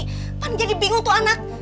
pan jadi bingung tuh anak